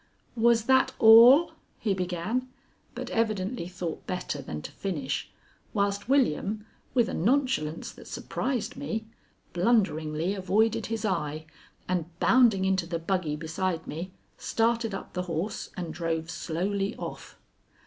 "Was that all?" he began, but evidently thought better than to finish, whilst William, with a nonchalance that surprised me, blunderingly avoided his eye, and, bounding into the buggy beside me, started up the horse and drove slowly off.